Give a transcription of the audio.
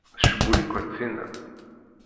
Tcewwel-ikem tinna?